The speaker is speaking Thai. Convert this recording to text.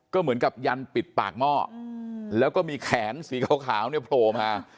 ก็เหมือนกับยันปิดปากหม้อแล้วก็มีแขนสีขาวเนี่ยโผล่มา